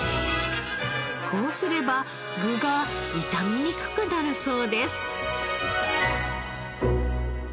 こうすれば具が傷みにくくなるそうです。